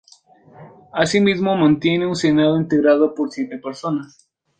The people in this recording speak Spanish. Asimismo, mantiene un Senado integrado por siete personas.